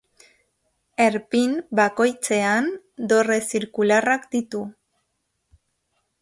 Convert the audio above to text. Erpin bakoitzean dorre zirkularrak ditu.